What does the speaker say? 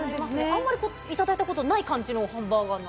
あんまりいただいたことない感じのハンバーガー。